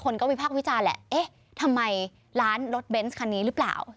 คนก็วิพากษ์วิจารณ์แหละเอ๊ะทำไมร้านรถเบนส์คันนี้หรือเปล่า